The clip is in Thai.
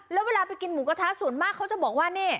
แล้วเวลากินหมูกะทะสูตรมากเขาจะบอกว่าเนี้ย